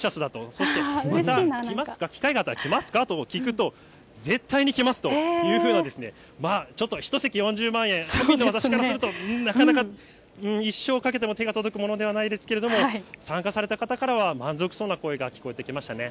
そして、また、機会があったらまた来ますか？と聞くと、絶対に来ますというふうな、まあちょっと、１席４０万円、庶民の私からすると、うーん、なかなか一生かけても手が届くものではないですけれども、参加された方からは、満足そうな声が聞こえてきましたね。